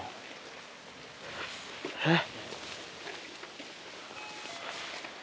えっ？